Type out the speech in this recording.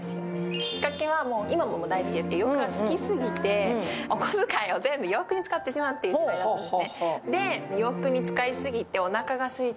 きっかけは、今も大好きなんですけど、洋服が好きすぎてお小遣いを全部洋服に使ってしまっているときがあったんですね。